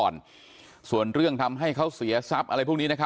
จริงแม่ต้องควรขอโทษแม่